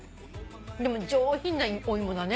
でも上品なお芋だね。